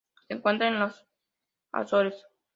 Se encuentra en las Azores.